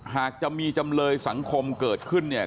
หากจะมีจำเลยสังคมเกิดขึ้นเนี่ย